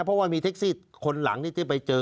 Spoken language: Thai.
เพราะว่ามีเท็กซี่คนหลังที่ไปเจอ